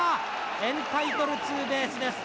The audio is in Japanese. エンタイトルツーベースです。